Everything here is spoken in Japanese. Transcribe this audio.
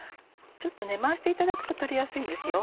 ちょっとね回していただくと取りやすいんですよ。